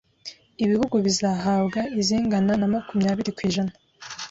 ibihugu bizahabwa izingana na makumyabiri kw’ijana